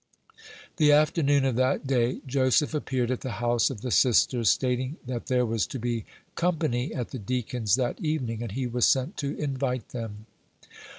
The afternoon of that day Joseph appeared at the house of the sisters, stating that there was to be company at the deacon's that evening, and he was sent to invite them.